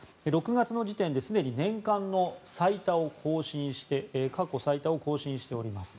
６月の時点ですでに年間の過去最多を更新しております。